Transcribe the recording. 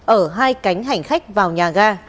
ở hai cánh hành khách vào nhà ga